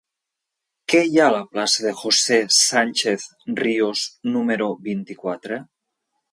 Què hi ha a la plaça de José Sánchez Ríos número vint-i-quatre?